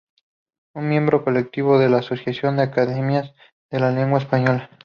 Es miembro colectivo de la Asociación de Academias de la Lengua Española.